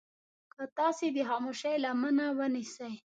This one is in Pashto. که تاسې د خاموشي لمنه ونيسئ.